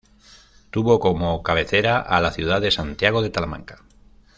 Tuvo como cabecera a la ciudad de Santiago de Talamanca.